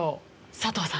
佐藤さん。